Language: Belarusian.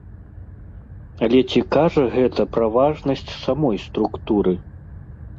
Але ці кажа гэта пра важнасць самой структуры?